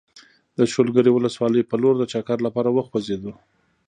د شولګرې ولسوالۍ په لور د چکر لپاره وخوځېدو.